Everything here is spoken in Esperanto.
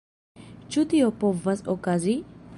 Ĉu tio povas okazi?